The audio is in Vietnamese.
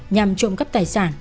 nhằm trộm cắp tài sản